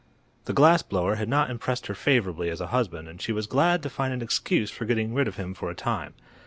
The glass blower had not impressed her favorably as a husband, and she was glad to find an excuse for getting rid of him for a time.